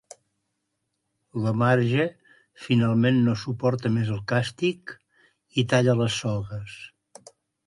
La Marge finalment no suporta més el càstig i talla les sogues.